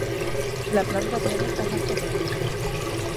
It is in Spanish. La planta tiene hojas pequeñas.